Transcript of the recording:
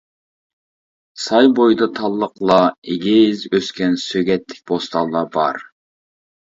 ساي بويىدا تاللىقلار، ئېگىز ئۆسكەن سۆگەتلىك بوستانلار بار.